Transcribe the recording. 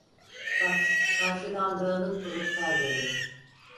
Bak, karşıdan dağınık bulutlar geliyor.